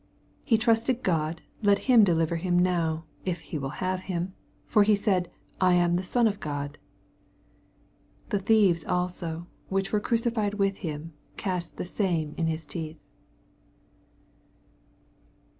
48 He trusted in God ; let him de liver him now, if he will have him : for he said, I am the Son of God. 44 The thieves also, which weie crucified with him, cast the same in hia teeth.